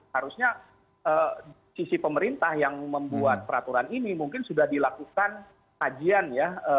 harusnya sisi pemerintah yang membuat peraturan ini mungkin sudah dilakukan kajian ya